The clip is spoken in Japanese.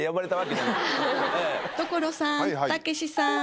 所さんたけしさん。